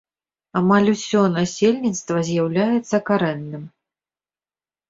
Амаль усё насельніцтва з'яўляецца карэнным.